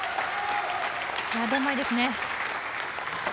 どんまいですね。